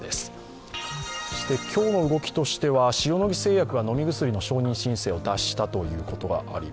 今日の動きとしては、塩野義製薬が飲み薬の承認申請を出したと。